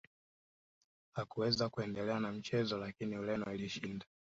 hakuweza kuendelea na mchezo lakini ureno ilishinda